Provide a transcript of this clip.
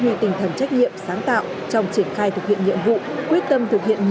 nguyện tình thần trách nhiệm sáng tạo trong triển khai thực hiện nhiệm vụ quyết tâm thực hiện một mươi